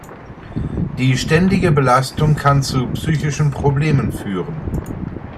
Die ständige Belastung kann zu psychischen Problemen führen.